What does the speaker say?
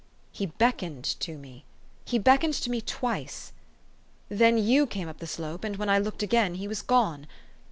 " He beckoned to me. He beckoned to me twice. Then you came up the slope, and, when I looked again, he was gone.